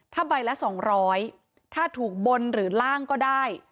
ถ้าใบละ๒๐๐ถ้าถูกบนหรือล่างก็ได้